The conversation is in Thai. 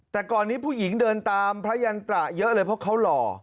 แต่ก่อนนี้ผู้หญิงเดินตามพระยันตระเยอะเลยเพราะเขาหล่อ